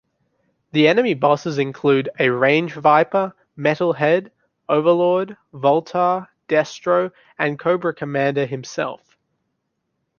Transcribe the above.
The enemy bosses include a Range-Viper, Metal-Head, Overlord, Voltar, Destro and Cobra Commander himself.